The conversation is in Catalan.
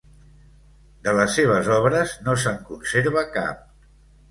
De les seves obres no se'n conserva cap.